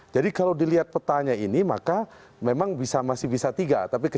jadi kalau dilihat petanya ini maka memang masih bisa tiga